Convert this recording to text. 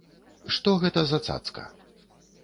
Што гэта за цацка?